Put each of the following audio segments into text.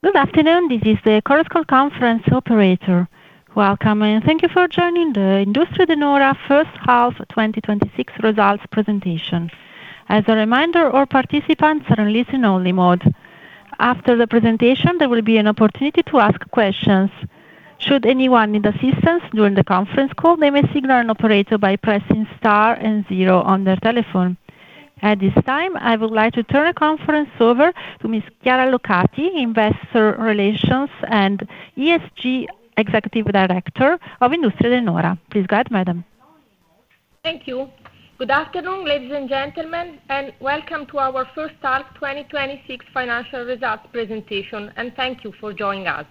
Good afternoon. This is the conference call operator. Welcome, and thank you for joining the Industrie De Nora first half 2026 results presentation. As a reminder, all participants are in listen only mode. After the presentation, there will be an opportunity to ask questions. Should anyone need assistance during the conference call, they may signal an operator by pressing star and 0 on their telephone. At this time, I would like to turn the conference over to Ms. Chiara Locati, investor relations and ESG executive director of Industrie De Nora. Please go ahead, madam. Thank you. Good afternoon, ladies and gentlemen, and welcome to our first half 2026 financial results presentation, and thank you for joining us.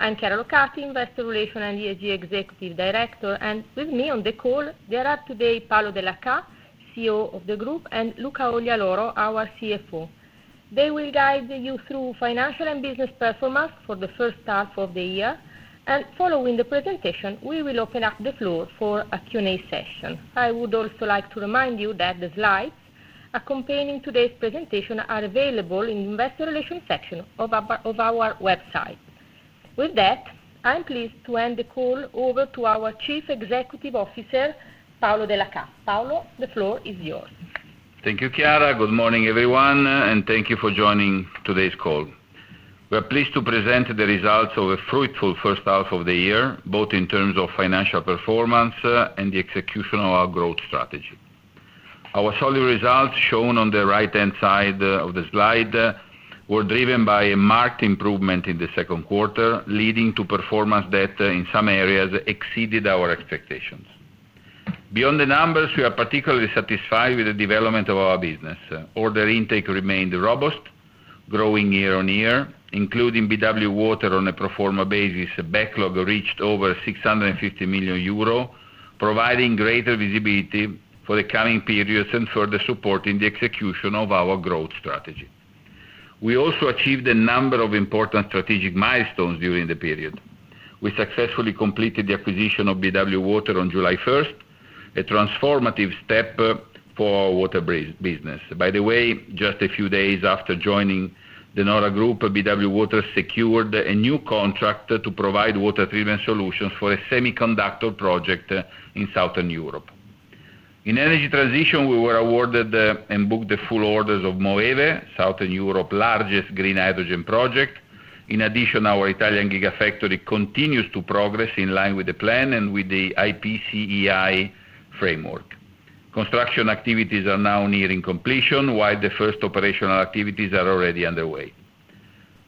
I'm Chiara Locati, investor relations and ESG executive director, and with me on the call there are today Paolo Dellachà, CEO of the group, and Luca Oglialoro, our CFO. They will guide you through financial and business performance for the first half of the year, and following the presentation, we will open up the floor for a Q&A session. I would also like to remind you that the slides accompanying today's presentation are available in the investor section of our website. With that, I'm pleased to hand the call over to our Chief Executive Officer, Paolo Dellachà. Paolo, the floor is yours. Thank you, Chiara. Good morning, everyone, and thank you for joining today's call. We're pleased to present the results of a fruitful first half of the year, both in terms of financial performance and the execution of our growth strategy. Our solid results, shown on the right-hand side of the slide, were driven by a marked improvement in the second quarter, leading to performance that, in some areas, exceeded our expectations. Beyond the numbers, we are particularly satisfied with the development of our business. Order intake remained robust, growing year-on-year, including BW Water on a pro forma basis, backlog reached over 650 million euro, providing greater visibility for the coming periods and further supporting the execution of our growth strategy. We also achieved a number of important strategic milestones during the period. We successfully completed the acquisition of BW Water on July 1st, a transformative step for our water business. By the way, just a few days after joining De Nora group, BW Water secured a new contract to provide water treatment solutions for a semiconductor project in Southern Europe. In energy transition, we were awarded and booked the full orders of Moeve, Southern Europe largest green hydrogen project. In addition, our Italian gigafactory continues to progress in line with the plan and with the IPCEI framework. Construction activities are now nearing completion, while the first operational activities are already underway.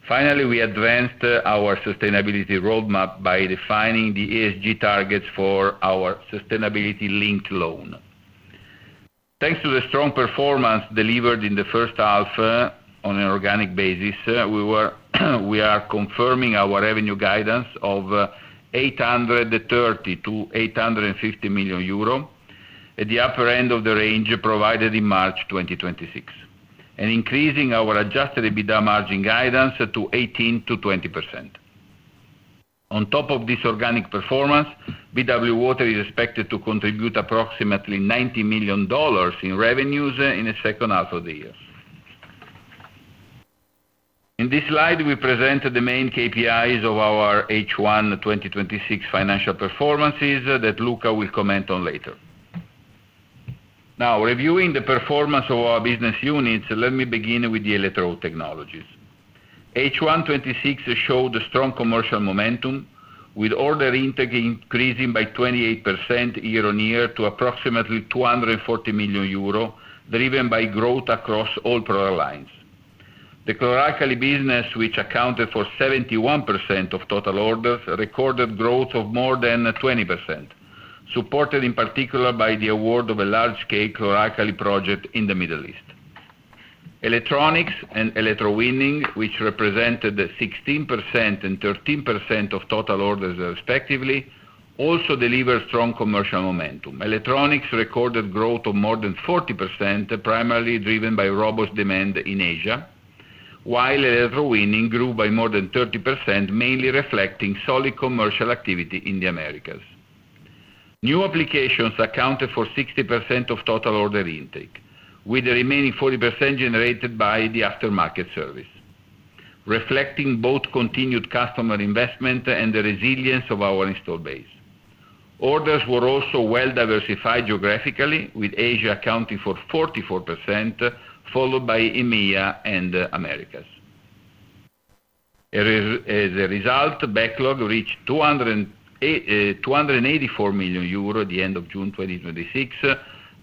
Finally, we advanced our sustainability roadmap by defining the ESG targets for our sustainability-linked loan. Thanks to the strong performance delivered in the first half on an organic basis, we are confirming our revenue guidance of 830 million-850 million euro at the upper end of the range provided in March 2026, and increasing our adjusted EBITDA margin guidance to 18%-20%. On top of this organic performance, BW Water is expected to contribute approximately 90 million dollars in revenues in the second half of the year. In this slide, we present the main KPIs of our H1 2026 financial performances that Luca will comment on later. Reviewing the performance of our business units, let me begin with the Electrode Technologies. H1 2026 showed strong commercial momentum, with order intake increasing by 28% year-on-year to approximately 240 million euro, driven by growth across all product lines. The chloralkali business, which accounted for 71% of total orders, recorded growth of more than 20%, supported in particular by the award of a large-scale chloralkali project in the Middle East. Electronics and electrowinning, which represented 16% and 13% of total orders respectively, also delivered strong commercial momentum. Electronics recorded growth of more than 40%, primarily driven by robust demand in Asia, while electrowinning grew by more than 30%, mainly reflecting solid commercial activity in the Americas. New applications accounted for 60% of total order intake, with the remaining 40% generated by the aftermarket service, reflecting both continued customer investment and the resilience of our installed base. Orders were also well diversified geographically, with Asia accounting for 44%, followed by EMEA and the Americas. Backlog reached 284 million euro at the end of June 2026,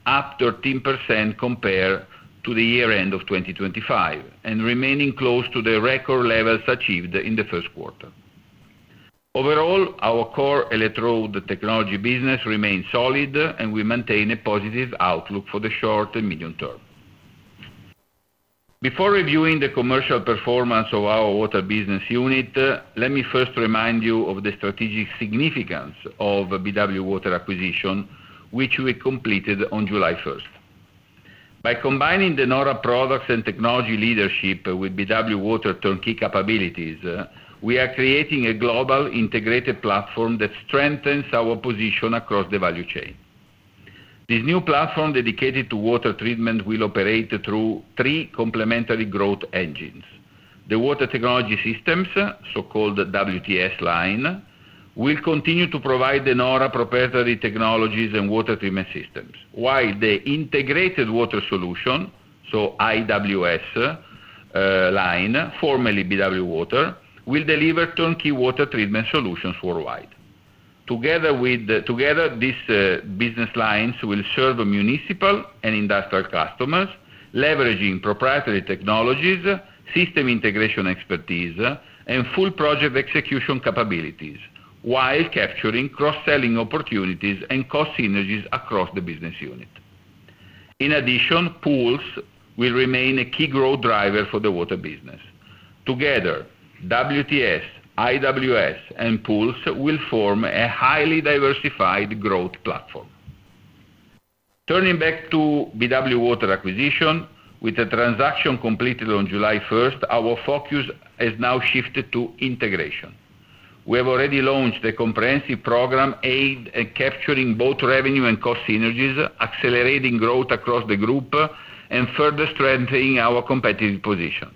up 13% compared to the year-end 2025, and remaining close to the record levels achieved in the first quarter. Overall, our core Electrode Technologies business remains solid, and we maintain a positive outlook for the short and medium term. Before reviewing the commercial performance of our water business unit, let me first remind you of the strategic significance of the BW Water acquisition, which we completed on July 1. By combining De Nora products and technology leadership with BW Water turnkey capabilities, we are creating a global integrated platform that strengthens our position across the value chain. This new platform dedicated to water treatment will operate through three complementary growth engines. Water Technology Systems, so-called WTS line, will continue to provide De Nora proprietary technologies and water treatment systems, while the Integrated Water Solution, so IWS line, formerly BW Water, will deliver turnkey water treatment solutions worldwide. Together these business lines will serve municipal and industrial customers, leveraging proprietary technologies, system integration expertise, and full project execution capabilities while capturing cross-selling opportunities and cost synergies across the business unit. In addition, Pools will remain a key growth driver for the water business. Together, WTS, IWS, and Pools will form a highly diversified growth platform. BW Water acquisition, with the transaction completed on July 1, our focus has now shifted to integration. We have already launched a comprehensive program aimed at capturing both revenue and cost synergies, accelerating growth across the group, and further strengthening our competitive position.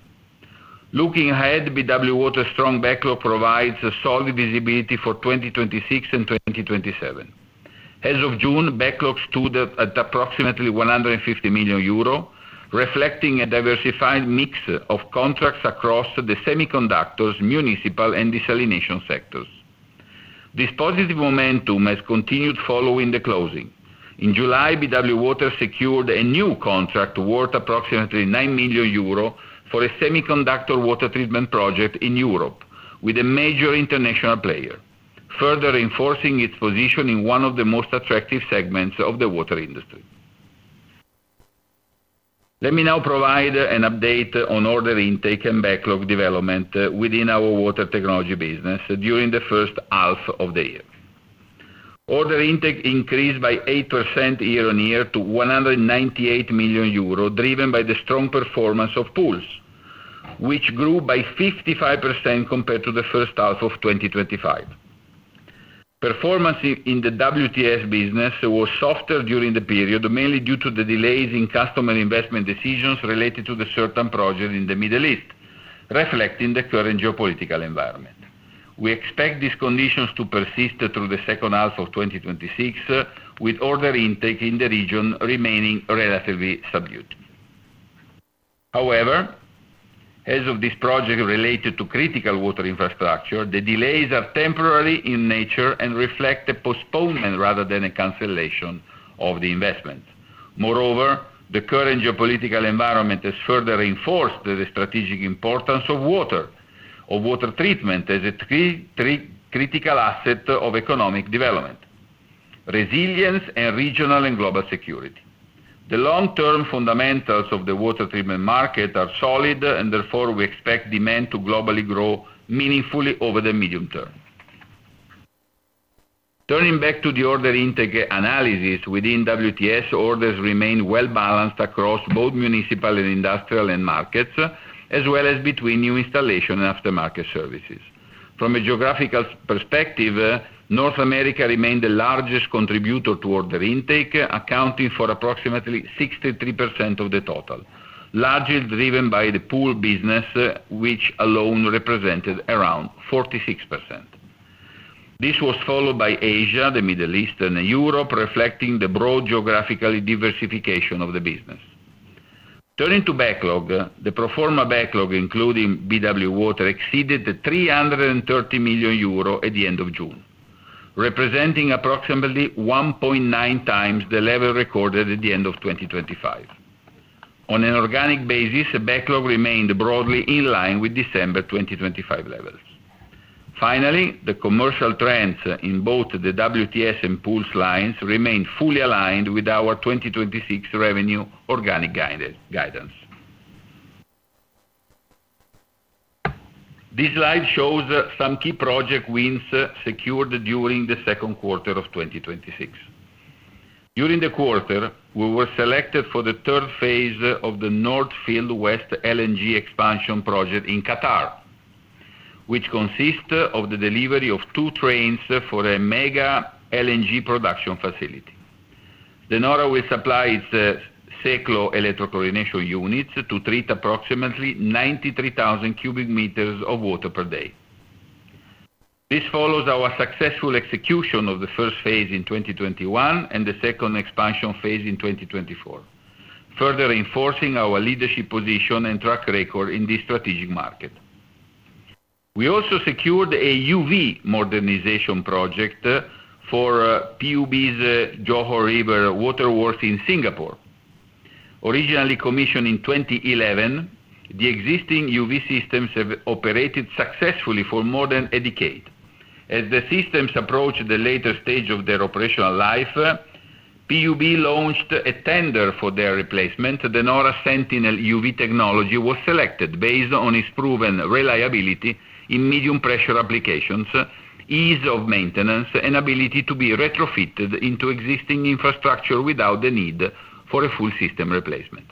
Looking ahead, BW Water's strong backlog provides solid visibility for 2026 and 2027. As of June, backlogs stood at approximately 150 million euro, reflecting a diversified mix of contracts across the semiconductors, municipal, and desalination sectors. This positive momentum has continued following the closing. In July, BW Water secured a new contract worth approximately 9 million euro for a semiconductor water treatment project in Europe with a major international player, further enforcing its position in one of the most attractive segments of the water industry. Let me now provide an update on order intake and backlog development within our water technology business during the first half of the year. Order intake increased by 8% year-over-year to 198 million euro, driven by the strong performance of Pools, which grew by 55% compared to the first half of 2025. Performance in the WTS business was softer during the period, mainly due to the delays in customer investment decisions related to the certain project in the Middle East, reflecting the current geopolitical environment. We expect these conditions to persist through the second half of 2026, with order intake in the region remaining relatively subdued. As of this project related to critical water infrastructure, the delays are temporary in nature and reflect a postponement rather than a cancellation of the investment. The current geopolitical environment has further reinforced the strategic importance of water or water treatment as a critical asset of economic development, resilience, and regional and global security. The long-term fundamentals of the water treatment market are solid, therefore we expect demand to globally grow meaningfully over the medium term. Turning back to the order intake analysis within WTS, orders remain well-balanced across both municipal and industrial end markets, as well as between new installation and aftermarket services. From a geographical perspective, North America remained the largest contributor to order intake, accounting for approximately 63% of the total, largely driven by the Pools business, which alone represented around 46%. This was followed by Asia, the Middle East, and Europe, reflecting the broad geographical diversification of the business. Turning to backlog, the pro forma backlog, including BW Water, exceeded 330 million euro at the end of June, representing approximately 1.9 times the level recorded at the end of 2025. On an organic basis, backlog remained broadly in line with December 2025 levels. The commercial trends in both the WTS and Pools lines remain fully aligned with our 2026 revenue organic guidance. This slide shows some key project wins secured during the second quarter of 2026. During the quarter, we were selected for the third phase of the North Field West LNG expansion project in Qatar, which consists of the delivery of two trains for a mega LNG production facility. De Nora will supply its CECHLO electrochlorination units to treat approximately 93,000 cubic meters of water per day. This follows our successful execution of the first phase in 2021 and the second expansion phase in 2024, further enforcing our leadership position and track record in this strategic market. We also secured a UV modernization project for PUB's Johor River Waterworks in Singapore. Originally commissioned in 2011, the existing UV systems have operated successfully for more than a decade. The systems approach the later stage of their operational life, PUB launched a tender for their replacement. De Nora Sentinel UV technology was selected based on its proven reliability in medium pressure applications, ease of maintenance, and ability to be retrofitted into existing infrastructure without the need for a full system replacement.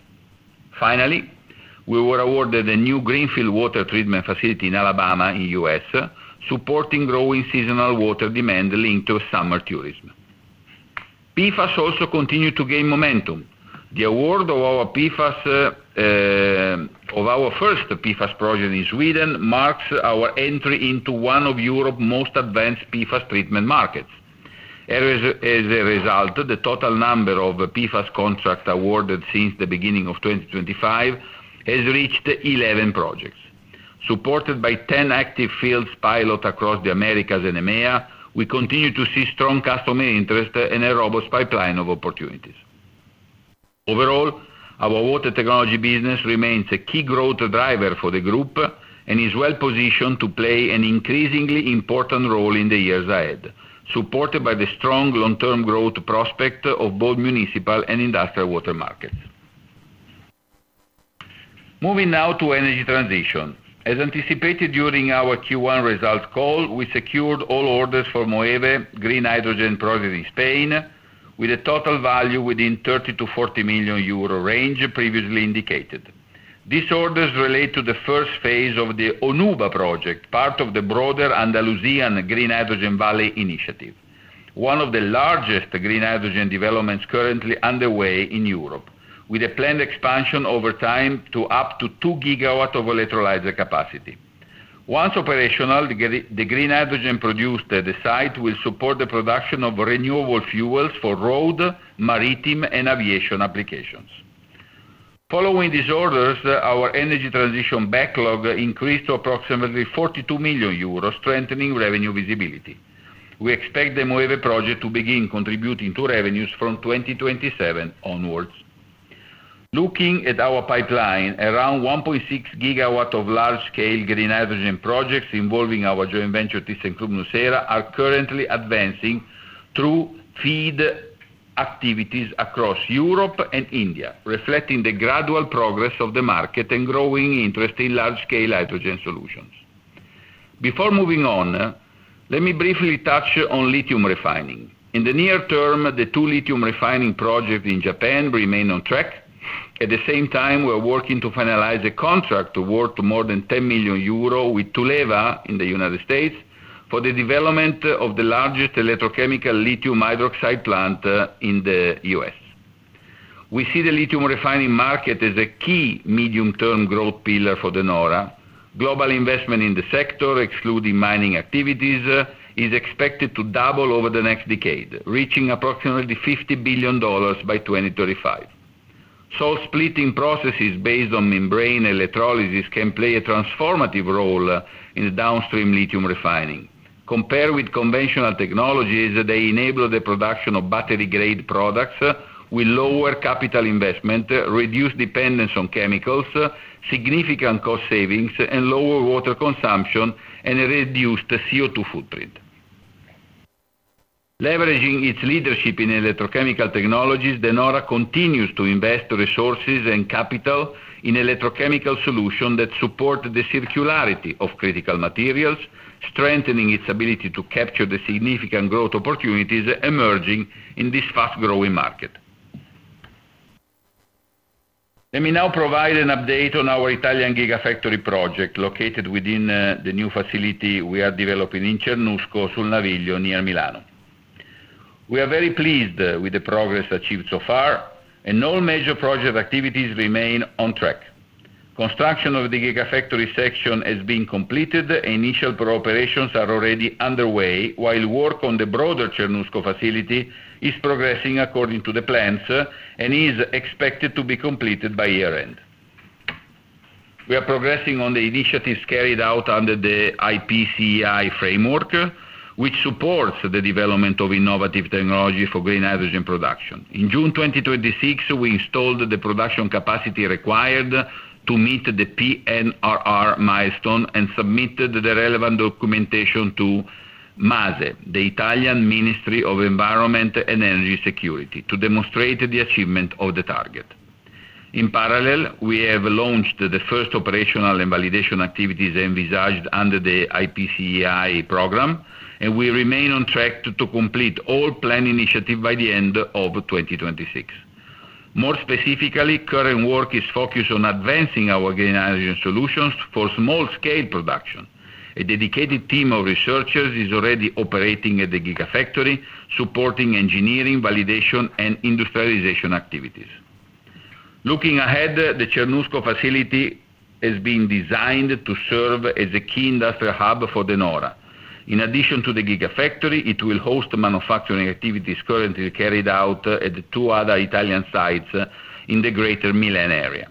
Finally, we were awarded a new greenfield water treatment facility in Alabama in the U.S., supporting growing seasonal water demand linked to summer tourism. PFAS also continued to gain momentum. The award of our first PFAS project in Sweden marks our entry into one of Europe's most advanced PFAS treatment markets. As a result, the total number of PFAS contracts awarded since the beginning of 2025 has reached 11 projects. Supported by 10 active field pilots across the Americas and EMEA, we continue to see strong customer interest and a robust pipeline of opportunities. Our water technology business remains a key growth driver for the group and is well-positioned to play an increasingly important role in the years ahead, supported by the strong long-term growth prospect of both municipal and industrial water markets. Moving now to energy transition. As anticipated during our Q1 results call, we secured all orders for Moeve green hydrogen project in Spain, with a total value within 30 million-40 million euro range previously indicated. These orders relate to the first phase of the Onuba project, part of the broader Andalusian Green Hydrogen Valley initiative, one of the largest green hydrogen developments currently underway in Europe, with a planned expansion over time to up to two gigawatts of electrolyzer capacity. Once operational, the green hydrogen produced at the site will support the production of renewable fuels for road, maritime, and aviation applications. Following these orders, our energy transition backlog increased to approximately 42 million euros, strengthening revenue visibility. We expect the Moeve project to begin contributing to revenues from 2027 onwards. Looking at our pipeline, around 1.6 gigawatts of large-scale green hydrogen projects involving our joint venture thyssenkrupp nucera are currently advancing through FEED activities across Europe and India, reflecting the gradual progress of the market and growing interest in large-scale hydrogen solutions. Before moving on, let me briefly touch on lithium refining. In the near term, the two lithium refining projects in Japan remain on track. At the same time, we are working to finalize a contract worth more than 10 million euro with Tuleva in the U.S. for the development of the largest electrochemical lithium hydroxide plant in the U.S. We see the lithium refining market as a key medium-term growth pillar for De Nora. Global investment in the sector, excluding mining activities, is expected to double over the next decade, reaching approximately EUR 50 billion by 2035. Splitting processes based on membrane electrolysis can play a transformative role in downstream lithium refining. Compared with conventional technologies, they enable the production of battery-grade products with lower capital investment, reduced dependence on chemicals, significant cost savings, and lower water consumption, and a reduced CO2 footprint. Leveraging its leadership in electrochemical technologies, De Nora continues to invest resources and capital in electrochemical solutions that support the circularity of critical materials, strengthening its ability to capture the significant growth opportunities emerging in this fast-growing market. Let me now provide an update on our Italian gigafactory project located within the new facility we are developing in Cernusco sul Naviglio, near Milan. We are very pleased with the progress achieved so far, and all major project activities remain on track. Construction of the gigafactory section has been completed and initial operations are already underway while work on the broader Cernusco facility is progressing according to the plans and is expected to be completed by year-end. We are progressing on the initiatives carried out under the IPCEI framework, which supports the development of innovative technologies for green hydrogen production. In June 2026, we installed the production capacity required to meet the PNRR milestone and submitted the relevant documentation to MASE, the Italian Ministry of Environment and Energy Security, to demonstrate the achievement of the target. In parallel, we have launched the first operational and validation activities envisaged under the IPCEI program, and we remain on track to complete all planned initiatives by the end of 2026. More specifically, current work is focused on advancing our green hydrogen solutions for small-scale production. A dedicated team of researchers is already operating at the gigafactory, supporting engineering, validation, and industrialization activities. Looking ahead, the Cernusco facility has been designed to serve as a key industrial hub for De Nora. In addition to the gigafactory, it will host manufacturing activities currently carried out at two other Italian sites in the greater Milan area.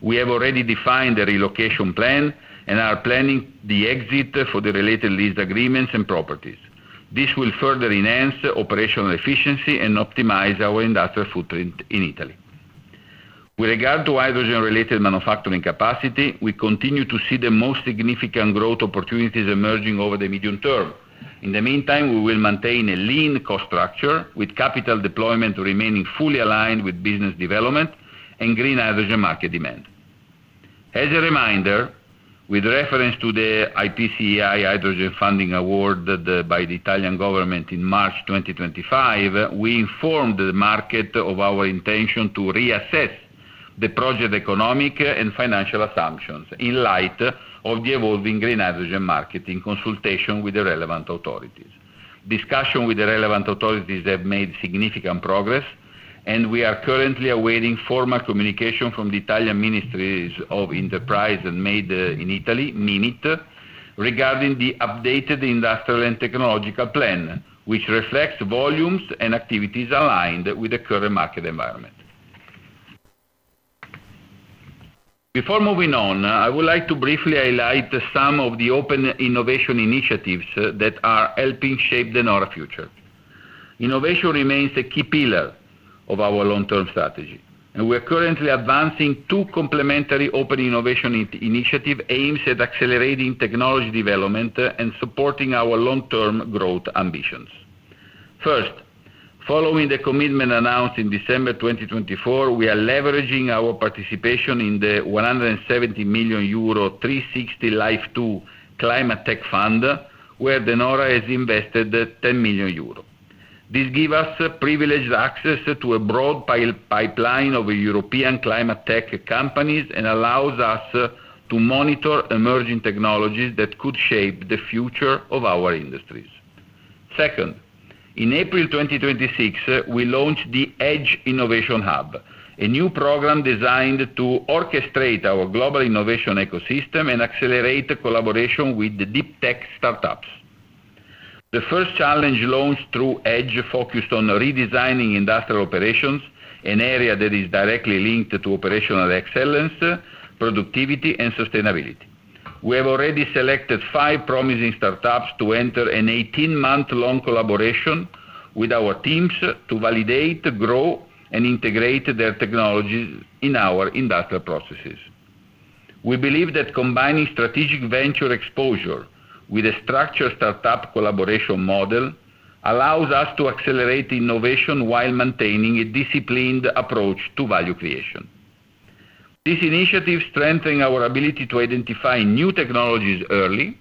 We have already defined the relocation plan and are planning the exit for the related lease agreements and properties. This will further enhance operational efficiency and optimize our industrial footprint in Italy. With regard to hydrogen-related manufacturing capacity, we continue to see the most significant growth opportunities emerging over the medium term. In the meantime, we will maintain a lean cost structure with capital deployment remaining fully aligned with business development and green hydrogen market demand. As a reminder, with reference to the IPCEI Hydrogen funding award by the Italian government in March 2025, we informed the market of our intention to reassess the project economic and financial assumptions in light of the evolving green hydrogen market, in consultation with the relevant authorities. Discussion with the relevant authorities have made significant progress, and we are currently awaiting formal communication from the Italian Ministries of Enterprise and Made in Italy, MIMIT, regarding the updated industrial and technological plan, which reflects volumes and activities aligned with the current market environment. Before moving on, I would like to briefly highlight some of the open innovation initiatives that are helping shape De Nora future. Innovation remains a key pillar of our long-term strategy, and we are currently advancing two complementary open innovation initiative aims at accelerating technology development and supporting our long-term growth ambitions. First, following the commitment announced in December 2024, we are leveraging our participation in the 170 million euro 360 LIFE II climate tech fund, where De Nora has invested 10 million euro. This give us privileged access to a broad pipeline of European climate tech companies and allows us to monitor emerging technologies that could shape the future of our industries. Second, in April 2026, we launched the EDGE Innovation Hub, a new program designed to orchestrate our global innovation ecosystem and accelerate collaboration with the deep tech startups. The first challenge launched through EDGE focused on redesigning industrial operations, an area that is directly linked to operational excellence, productivity, and sustainability. We have already selected five promising startups to enter an 18-month-long collaboration with our teams to validate, grow, and integrate their technologies in our industrial processes. We believe that combining strategic venture exposure with a structured startup collaboration model allows us to accelerate innovation while maintaining a disciplined approach to value creation. This initiative strengthen our ability to identify new technologies early,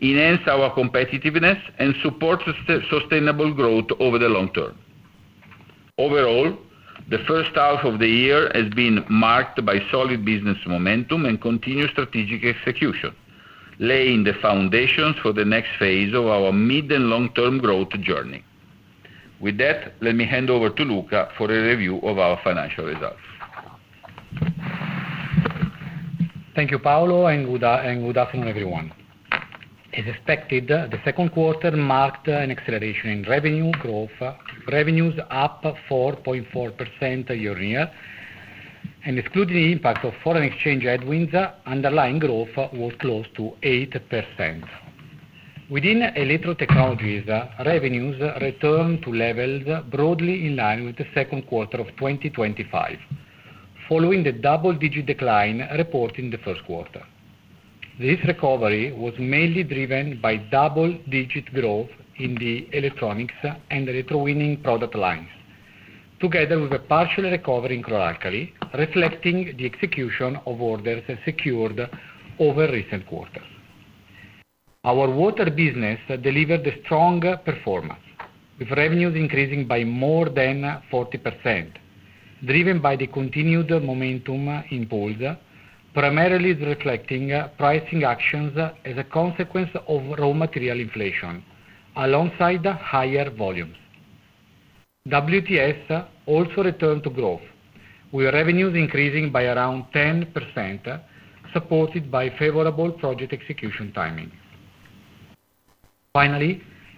enhance our competitiveness, and support sustainable growth over the long term. Overall, the first half of the year has been marked by solid business momentum and continued strategic execution, laying the foundations for the next phase of our mid and long-term growth journey. With that, let me hand over to Luca for a review of our financial results. Thank you, Paolo, and good afternoon, everyone. As expected, the second quarter marked an acceleration in revenue growth. Revenues up 4.4% year-on-year, and excluding the impact of foreign exchange headwinds, underlying growth was close to 8%. Within Electrode Technologies, revenues returned to levels broadly in line with the second quarter of 2025, following the double-digit decline reported in the first quarter. This recovery was mainly driven by double-digit growth in the electronics and electrowinning product lines, together with a partial recovery in chloralkali, reflecting the execution of orders secured over recent quarters. Our water business delivered a strong performance, with revenues increasing by more than 40%, driven by the continued momentum in Pools, primarily reflecting pricing actions as a consequence of raw material inflation, alongside higher volumes. WTS also returned to growth, with revenues increasing by around 10%, supported by favorable project execution timing.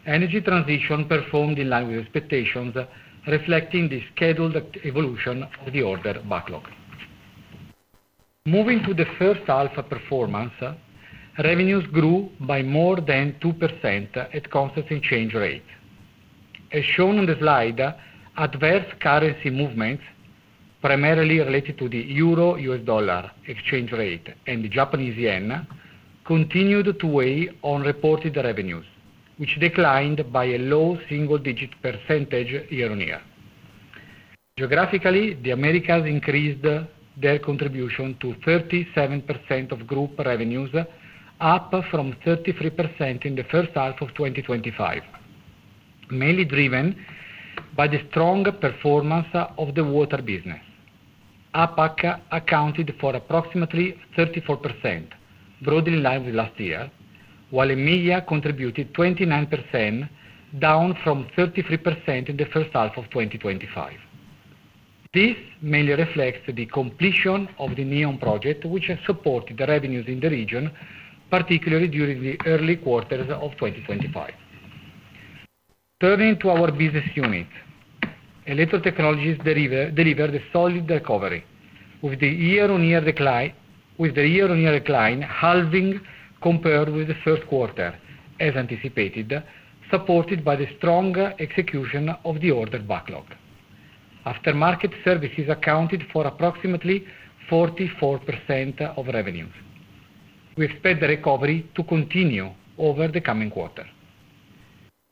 Energy transition performed in line with expectations, reflecting the scheduled evolution of the order backlog. Moving to the first half performance, revenues grew by more than 2% at constant exchange rate. As shown on the slide, adverse currency movements, primarily related to the EUR-USD exchange rate and the Japanese yen, continued to weigh on reported revenues, which declined by a low single-digit percentage year-on-year. Geographically, the Americas increased their contribution to 37% of group revenues, up from 33% in the first half of 2025, mainly driven by the strong performance of the water business. APAC accounted for approximately 34%, broadly in line with last year, while EMEA contributed 29%, down from 33% in the first half of 2025. This mainly reflects the completion of the NEOM project, which has supported the revenues in the region, particularly during the early quarters of 2025. Turning to our business unit. Electrode Technologies delivered a solid recovery with the year-on-year decline halving compared with the first quarter, as anticipated, supported by the strong execution of the order backlog. Aftermarket services accounted for approximately 44% of revenues. We expect the recovery to continue over the coming quarter.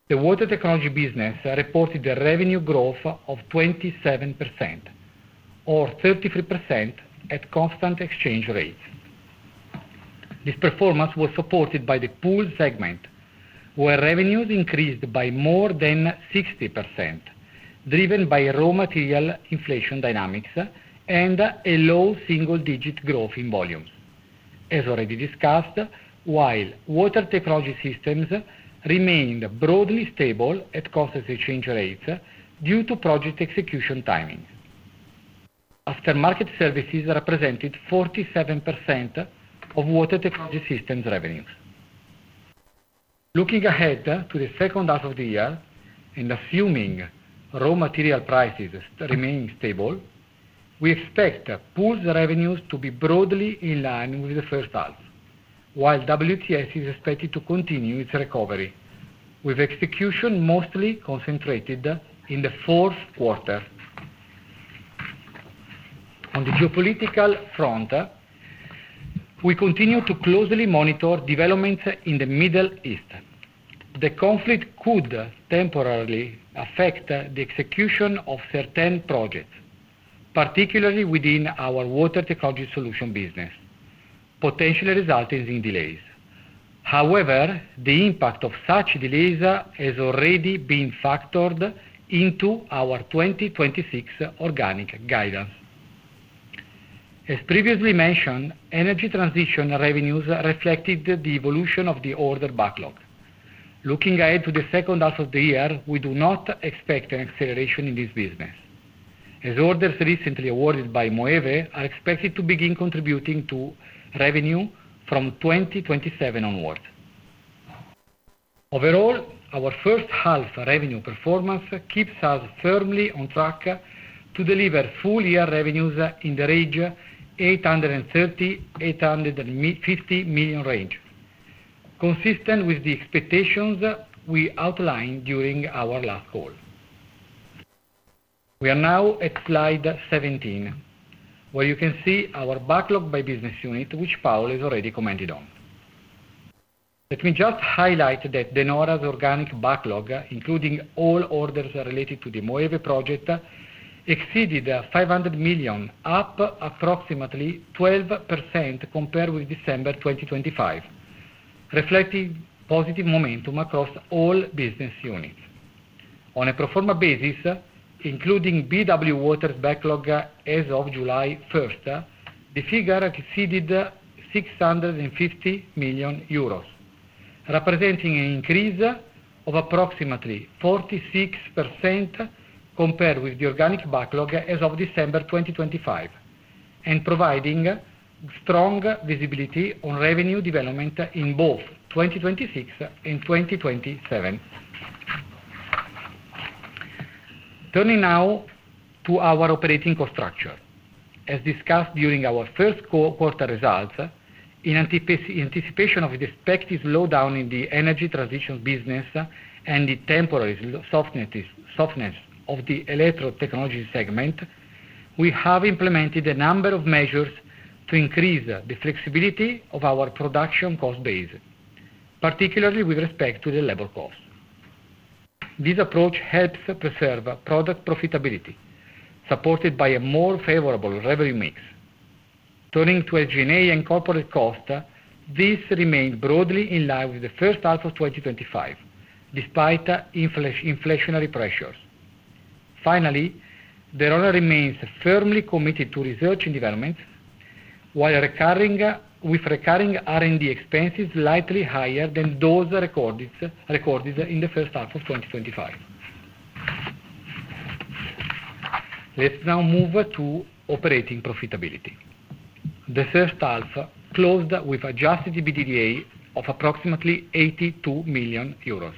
The water technology business reported a revenue growth of 27%, or 33% at constant exchange rates. This performance was supported by the pool segment, where revenues increased by more than 60%, driven by raw material inflation dynamics and a low single-digit growth in volumes. As already discussed, while water technology systems remained broadly stable at constant exchange rates due to project execution timing. Aftermarket services represented 47% of water technology systems revenues. Looking ahead to the second half of the year and assuming raw material prices remain stable, we expect Pools revenues to be broadly in line with the first half, while WTS is expected to continue its recovery, with execution mostly concentrated in the fourth quarter. On the geopolitical front, we continue to closely monitor developments in the Middle East. The conflict could temporarily affect the execution of certain projects, particularly within our water technology solution business, potentially resulting in delays. The impact of such delays has already been factored into our 2026 organic guidance. Energy transition revenues reflected the evolution of the order backlog. Looking ahead to the second half of the year, we do not expect an acceleration in this business, as orders recently awarded by Moeve are expected to begin contributing to revenue from 2027 onwards. Overall, our first half revenue performance keeps us firmly on track to deliver full-year revenues in the 830 million-850 million range, consistent with the expectations we outlined during our last call. We are now at slide 17, where you can see our backlog by business unit, which Paolo has already commented on. Let me just highlight that De Nora's organic backlog, including all orders related to the Moeve project, exceeded 500 million, up approximately 12% compared with December 2025, reflecting positive momentum across all business units. On a pro forma basis, including BW Water's backlog as of July 1st, the figure exceeded 650 million euros, representing an increase of approximately 46% compared with the organic backlog as of December 2025, and providing strong visibility on revenue development in both 2026 and 2027. Turning now to our operating cost structure. As discussed during our first quarter results, in anticipation of the expected slowdown in the energy transition business and the temporary softness of the Electrode Technologies segment, we have implemented a number of measures to increase the flexibility of our production cost base, particularly with respect to the labor cost. This approach helps preserve product profitability, supported by a more favorable revenue mix. Turning to our G&A and corporate cost, this remained broadly in line with the first half of 2025, despite inflationary pressures. De Nora remains firmly committed to research and development, with recurring R&D expenses slightly higher than those recorded in the first half of 2025. Let's now move to operating profitability. The first half closed with adjusted EBITDA of approximately 82 million euros,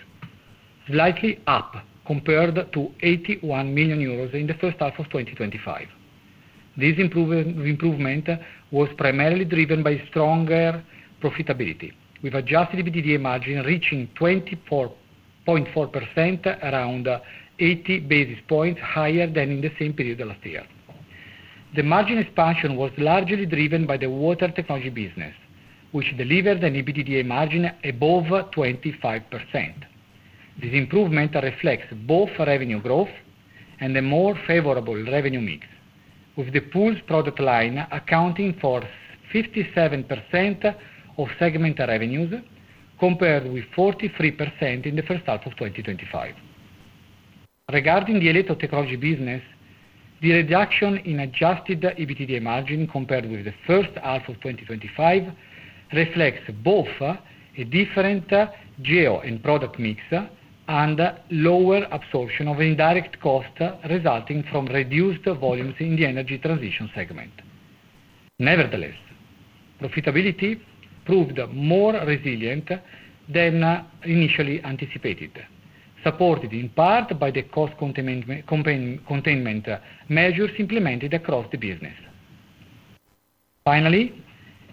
slightly up compared to 81 million euros in the first half of 2025. This improvement was primarily driven by stronger profitability, with adjusted EBITDA margin reaching 24.4%, around 80 basis points higher than in the same period last year. The margin expansion was largely driven by the water technology business, which delivered an EBITDA margin above 25%. This improvement reflects both revenue growth and a more favorable revenue mix, with the Pools product line accounting for 57% of segment revenues, compared with 43% in the first half of 2025. Regarding the Electrode Technologies business, the reduction in adjusted EBITDA margin compared with the first half of 2025 reflects both a different geo and product mix and lower absorption of indirect cost resulting from reduced volumes in the energy transition segment. Profitability proved more resilient than initially anticipated, supported in part by the cost containment measures implemented across the business.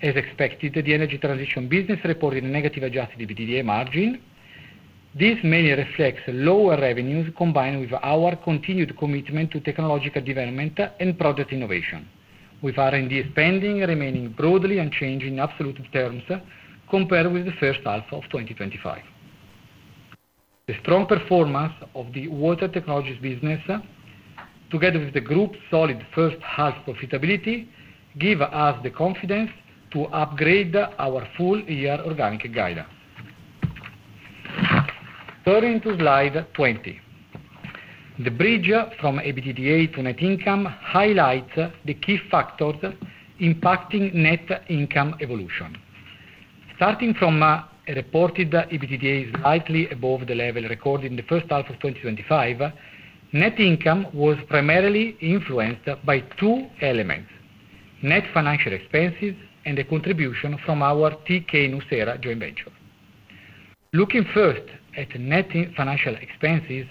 As expected, the energy transition business reported a negative adjusted EBITDA margin. This mainly reflects lower revenues combined with our continued commitment to technological development and project innovation. With R&D spending remaining broadly unchanged in absolute terms compared with the first half of 2025. The strong performance of the Water Technologies business, together with the group's solid first half profitability, give us the confidence to upgrade our full-year organic guidance. Turning to slide 20. The bridge from EBITDA to net income highlights the key factors impacting net income evolution. Starting from a reported EBITDA slightly above the level recorded in the first half of 2025, net income was primarily influenced by two elements, net financial expenses and the contribution from our TK-Nucera joint venture. Looking first at net financial expenses,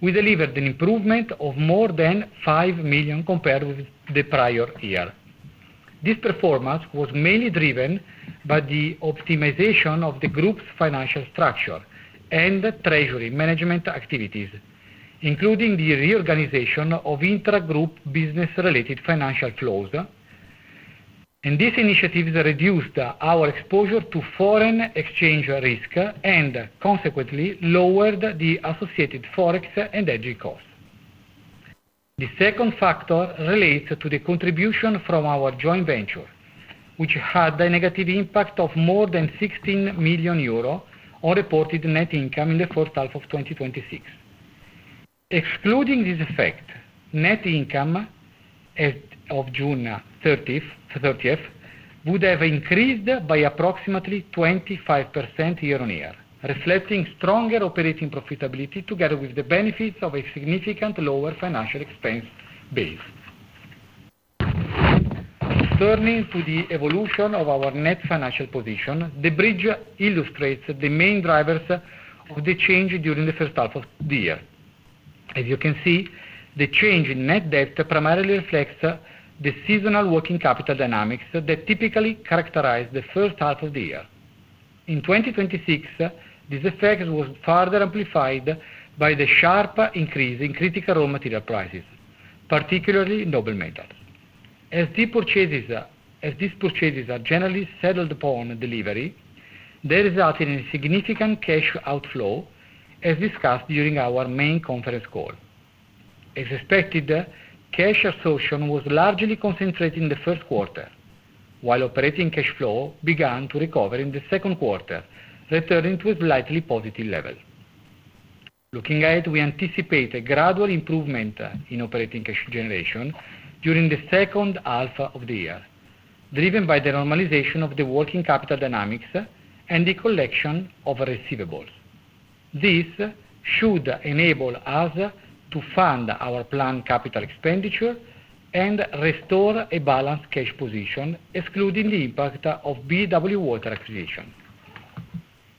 we delivered an improvement of more than 5 million compared with the prior year. This performance was mainly driven by the optimization of the group's financial structure and treasury management activities, including the reorganization of intragroup business-related financial flows. These initiatives reduced our exposure to foreign exchange risk and consequently lowered the associated Forex and hedging costs. The second factor relates to the contribution from our joint venture, which had a negative impact of more than 16 million euro on reported net income in the first half of 2026. Excluding this effect, net income as of June 30th would have increased by approximately 25% year-on-year, reflecting stronger operating profitability together with the benefits of a significant lower financial expense base. Turning to the evolution of our net financial position, the bridge illustrates the main drivers of the change during the first half of the year. As you can see, the change in net debt primarily reflects the seasonal working capital dynamics that typically characterize the first half of the year. In 2026, this effect was further amplified by the sharp increase in critical raw material prices, particularly noble metals. As these purchases are generally settled upon delivery, they result in a significant cash outflow, as discussed during our main conference call. As expected, cash absorption was largely concentrated in the first quarter, while operating cash flow began to recover in the second quarter, returning to a slightly positive level. Looking ahead, we anticipate a gradual improvement in operating cash generation during the second half of the year, driven by the normalization of the working capital dynamics and the collection of receivables. This should enable us to fund our planned capital expenditure and restore a balanced cash position, excluding the impact of BW Water acquisition.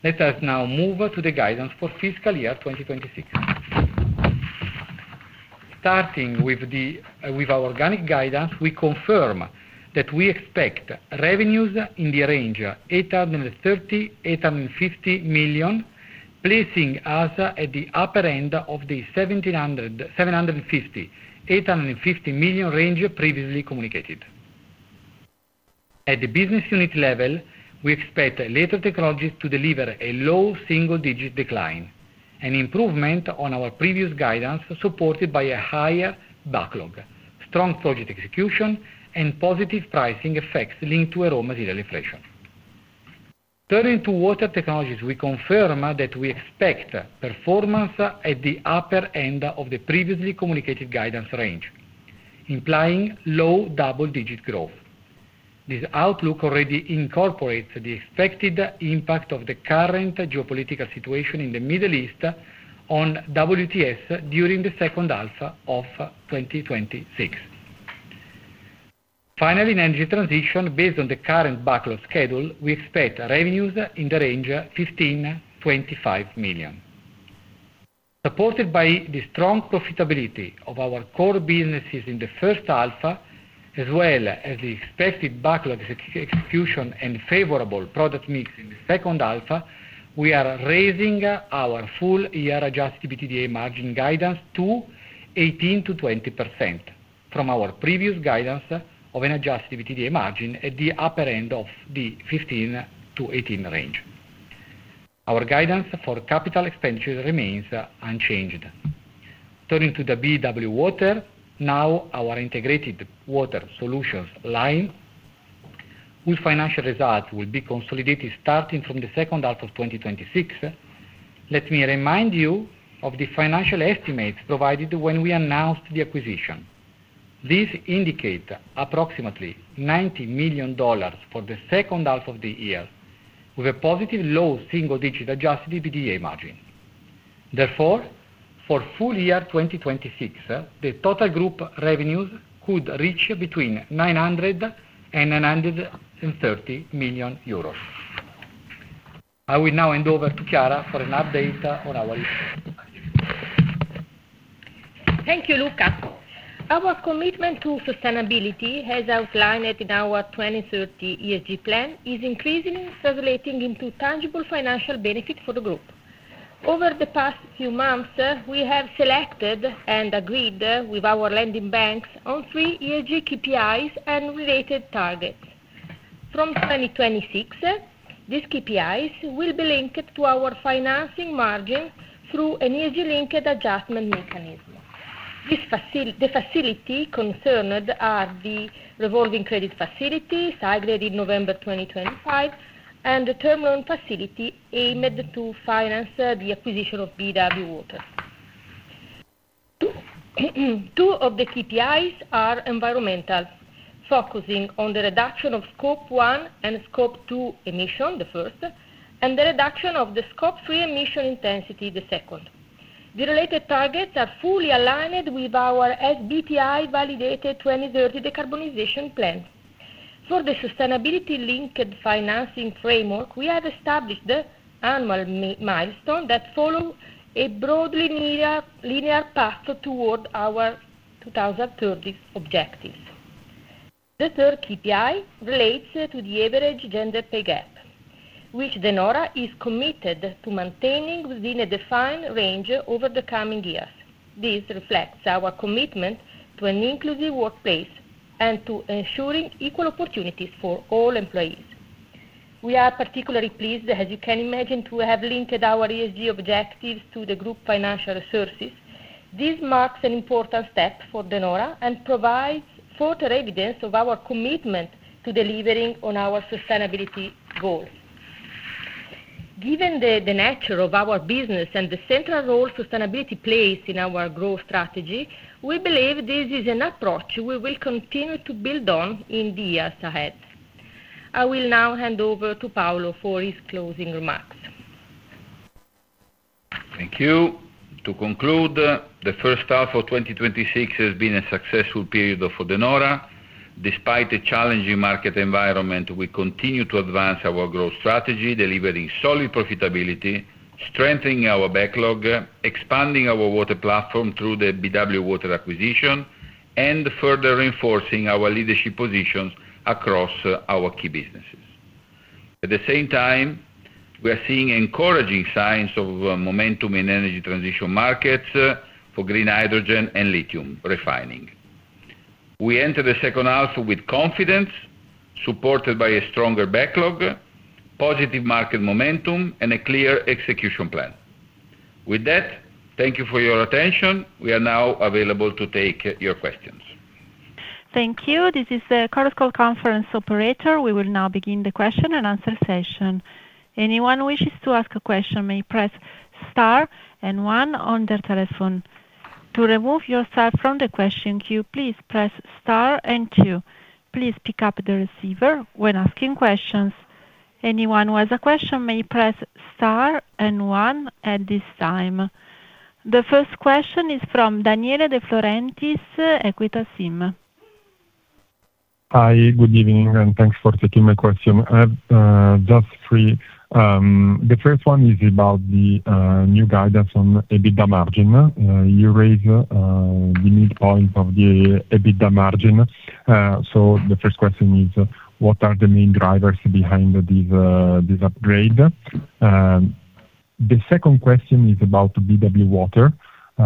Let us now move to the guidance for fiscal year 2026. Starting with our organic guidance, we confirm that we expect revenues in the range 830 million-850 million, placing us at the upper end of the 750 million-850 million range previously communicated. At the business unit level, we expect Electrode Technologies to deliver a low single-digit decline, an improvement on our previous guidance, supported by a higher backlog, strong project execution, and positive pricing effects linked to raw material inflation. Turning to Water Technologies, we confirm that we expect performance at the upper end of the previously communicated guidance range, implying low double-digit growth. This outlook already incorporates the expected impact of the current geopolitical situation in the Middle East on WTS during the second half of 2026. Finally, in Energy Transition, based on the current backlog schedule, we expect revenues in the range 15 million-25 million. Supported by the strong profitability of our core businesses in the first half, as well as the expected backlog execution and favorable product mix in the second half, we are raising our full-year adjusted EBITDA margin guidance to 18%-20% from our previous guidance of an adjusted EBITDA margin at the upper end of the 15%-18% range. Our guidance for capital expenditures remains unchanged. Turning to BW Water, now our integrated water solutions line, whose financial results will be consolidated starting from the second half of 2026. Let me remind you of the financial estimates provided when we announced the acquisition. This indicate approximately $90 million for the second half of the year, with a positive low single-digit adjusted EBITDA margin. Therefore, for full year 2026, the total group revenues could reach between 900 million euros and 930 million euros. I will now hand over to Chiara for an update on our. Thank you, Luca. Our commitment to sustainability, as outlined in our 2030 ESG plan, is increasingly translating into tangible financial benefit for the group. Over the past few months, we have selected and agreed with our lending banks on three ESG KPIs and related targets. From 2026, these KPIs will be linked to our financing margin through an ESG-linked adjustment mechanism. The facilities concerned are the revolving credit facility signed in November 2025, and the term loan facility aimed to finance the acquisition of BW Water. Two of the KPIs are environmental, focusing on the reduction of Scope 1 and Scope 2 emissions, the first, and the reduction of the Scope 3 emission intensity, the second. The related targets are fully aligned with our SBTi-validated 2030 decarbonization plan. For the sustainability-linked financing framework, we have established the annual milestones that follow a broadly linear path toward our 2030 objectives. The third KPI relates to the average gender pay gap, which De Nora is committed to maintaining within a defined range over the coming years. This reflects our commitment to an inclusive workplace and to ensuring equal opportunities for all employees. We are particularly pleased, as you can imagine, to have linked our ESG objectives to the group financial resources. This marks an important step for De Nora and provides further evidence of our commitment to delivering on our sustainability goals. Given the nature of our business and the central role sustainability plays in our growth strategy, we believe this is an approach we will continue to build on in the years ahead. I will now hand over to Paolo for his closing remarks. Thank you. To conclude, the first half of 2026 has been a successful period for De Nora. Despite a challenging market environment, we continue to advance our growth strategy, delivering solid profitability, strengthening our backlog, expanding our water platform through the BW Water acquisition, and further reinforcing our leadership positions across our key businesses. At the same time, we are seeing encouraging signs of momentum in energy transition markets for green hydrogen and lithium refining. We enter the second half with confidence, supported by a stronger backlog, positive market momentum, and a clear execution plan. With that, thank you for your attention. We are now available to take your questions. Thank you. This is the quarter call conference operator. We will now begin the question and answer session. Anyone who wishes to ask a question may press star and one on their telephone. To remove yourself from the question queue, please press star and two. Please pick up the receiver when asking questions. Anyone who has a question may press star and one at this time. The first question is from Daniele De Florentis, Equita SIM. Hi, good evening, and thanks for taking my question. I have just three. The first question is about the new guidance on EBITDA margin. You raised the midpoint of the EBITDA margin. The second question is about BW Water. We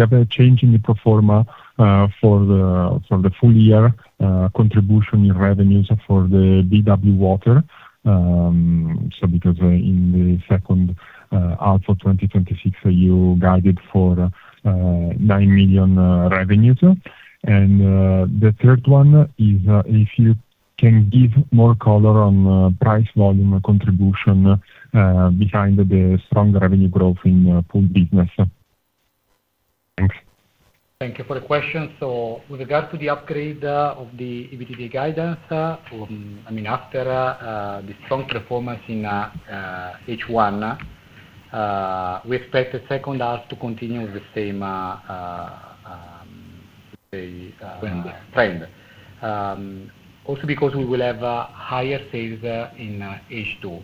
have a change in the pro forma for the full year contribution in revenues for the BW Water, because in the second half of 2026, you guided for 9 million revenues. The third one is if you can give more color on price volume contribution behind the strong revenue growth in Pools business. Thanks. Thank you for the question. With regards to the upgrade of the EBITDA guidance, after the strong performance in H1, we expect the second half to continue with the same trend. Also because we will have higher sales in H2.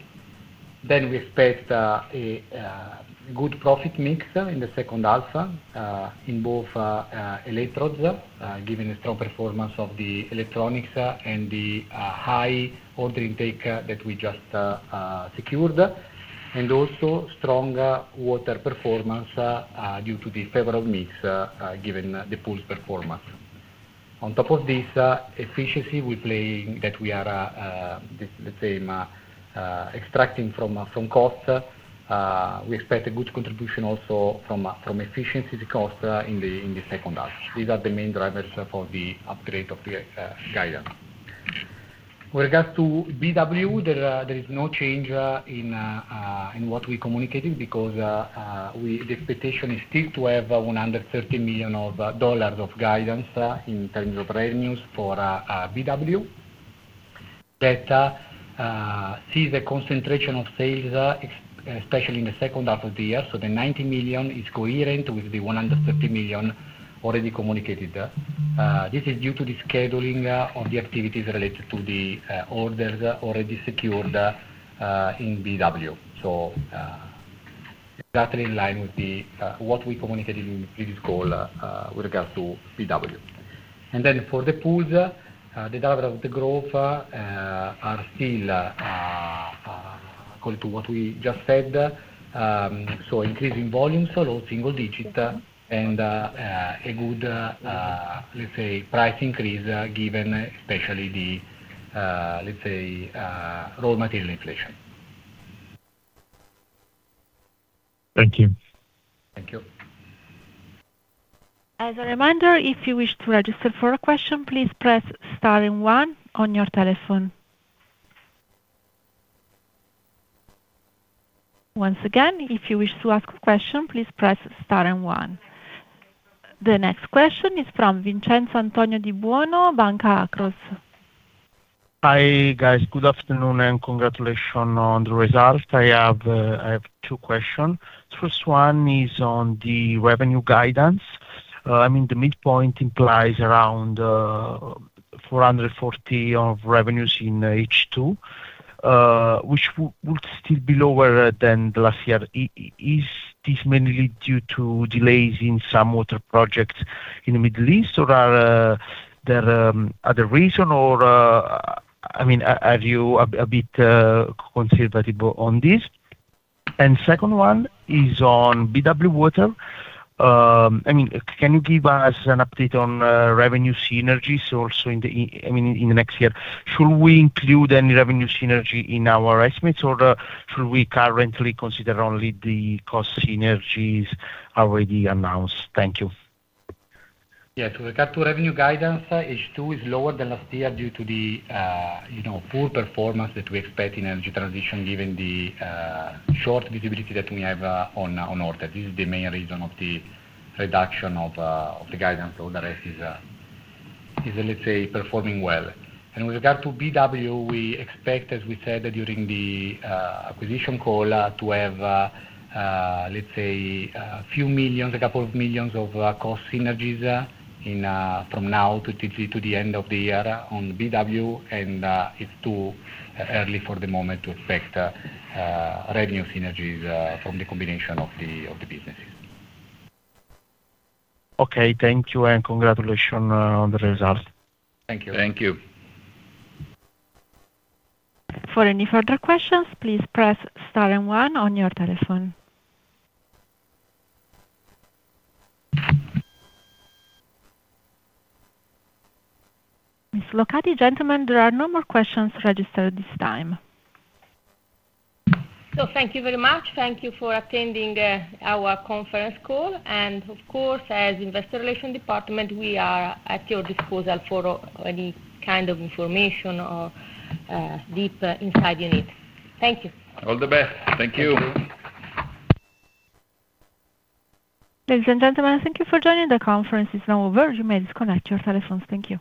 We expect a good profit mix in the second half, in both electrodes, given the strong performance of the electronics and the high order intake that we just secured, and also strong water performance due to the favorable mix given the Pools performance. On top of this efficiency we play, that we are let's say extracting from cost, we expect a good contribution also from efficiency cost in the second half. These are the main drivers for the upgrade of the guidance. With regards to BW, there is no change in what we communicated because the expectation is still to have $130 million of guidance in terms of revenues for BW. That sees a concentration of sales, especially in the second half of the year. The $90 million is coherent with the $130 million already communicated. This is due to the scheduling of the activities related to the orders already secured in BW. Exactly in line with what we communicated in the previous call with regards to BW. For the Pools, the drivers of the growth are still according to what we just said. Increasing volumes, so low single digit and a good, let's say, price increase, given especially the raw material inflation. Thank you. Thank you. As a reminder, if you wish to register for a question, please press star and one on your telephone. Once again, if you wish to ask a question, please press star and one. The next question is from Vincenzo Antonio Di Buono, Banca Akros. Hi, guys. Good afternoon and congratulations on the results. I have two questions. First one is on the revenue guidance. The midpoint implies around 440 million of revenues in H2, which would still be lower than last year. Is this mainly due to delays in some water projects in the Middle East or are there other reasons, or are you a bit conservative on this? Second one is on BW Water. Can you give us an update on revenue synergies also in the next year? Should we include any revenue synergy in our estimates, or should we currently consider only the cost synergies already announced? Thank you. Yeah. With regard to revenue guidance, H2 is lower than last year due to the poor performance that we expect in energy transition, given the short visibility that we have on order. This is the main reason of the reduction of the guidance. The rest is, let's say, performing well. With regard to BW, we expect, as we said during the acquisition call, to have a couple of million of cost synergies from now to the end of the year on BW, and it is too early for the moment to expect revenue synergies from the combination of the businesses. Okay, thank you, and congratulations on the results. Thank you. For any further questions, please press star and one on your telephone. Ms. Locati, gentlemen, there are no more questions registered at this time. Thank you very much. Thank you for attending our conference call. Of course, as investor relation department, we are at your disposal for any kind of information or deep insight you need. Thank you. All the best. Thank you. Ladies and gentlemen, thank you for joining. The conference is now over. You may disconnect your telephones. Thank you.